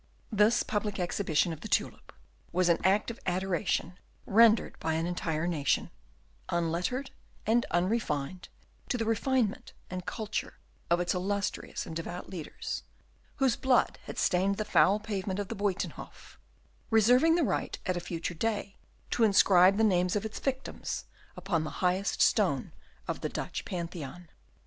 This public exhibition of the tulip was an act of adoration rendered by an entire nation, unlettered and unrefined, to the refinement and culture of its illustrious and devout leaders, whose blood had stained the foul pavement of the Buytenhof, reserving the right at a future day to inscribe the names of its victims upon the highest stone of the Dutch Pantheon.